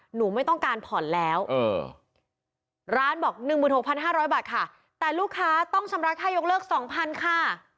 หนูไม่ต้องการผ่อนแล้วร้านบอก๑๖๕๐๐บาทค่ะแต่ลูกค้าต้องชำระค่ายกเลิก๒๐๐๐ค่ะ